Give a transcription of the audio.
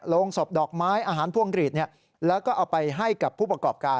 โรงศพดอกไม้อาหารพวงกรีดแล้วก็เอาไปให้กับผู้ประกอบการ